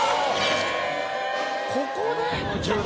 ・ここで？